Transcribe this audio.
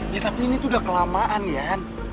ya tapi ini tuh udah kelamaan yan